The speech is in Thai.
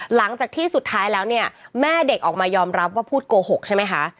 หลังจากที่สุดท้ายแล้วเนี่ยแม่เด็กออกมายอมรับว่าพูดโกหกใช่ไหมคะ